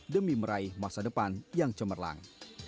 demi meraih masa depan yang cemerlang